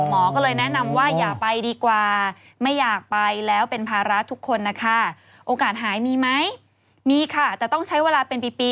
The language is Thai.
หมอก็เลยแนะนำว่าอย่าไปดีกว่า